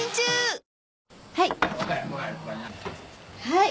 はい。